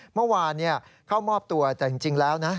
เมื่อวานเข้ามอบตัวแต่จริงแล้วนะ